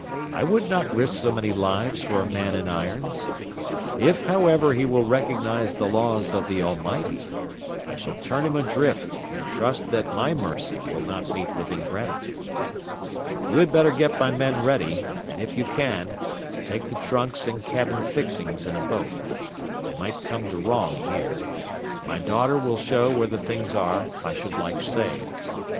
"I would not risk so many lives for a man in irons. If, however, he will recognize the laws of the Almighty, I shall turn him adrift and trust that my mercy will not meet with ingratitude. You had better get my men ready, and if you can, take the trunks and cabin fixings in a boat. They might come to wrong here. My daughter will show where the things are I should like saved.